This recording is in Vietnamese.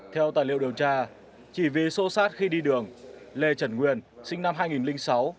theo tài liệu điều tra chỉ vì xô xát khi đi đường lê trần nguyên sinh năm hai nghìn sáu